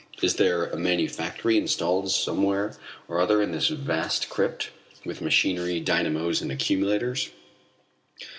Is there a manufactory installed somewhere or other in this vast crypt, with machinery, dynamos and accumulators?